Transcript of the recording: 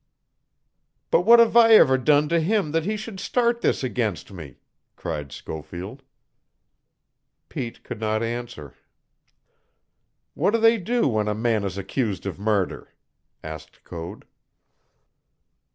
"But what have I ever done to him that he should start this against me?" cried Schofield. Pete could not answer. "What do they do when a man is accused of murder?" asked Code.